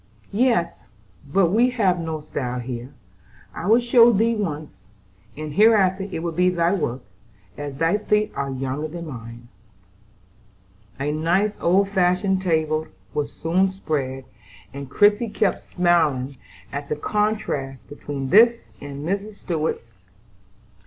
"Yes, but we have no style here. I will show thee once, and hereafter it will be thy work, as thy feet are younger than mine." A nice old fashioned table was soon spread, and Christie kept smiling at the contrast between this and Mrs. Stuart's.